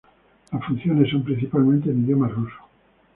Las funciones son principalmente en idioma ruso.